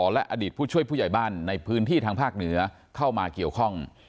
และอดีตผู้ช่วยผู้ใหญ่บ้านในพื้นที่ทางภาคเหนือเข้ามาเกี่ยวข้อง